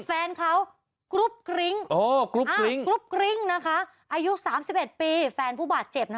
แฟนเขากรุ๊ปกริ้งอายุ๓๑ปีแฟนผู้บาดเจ็บนะคะ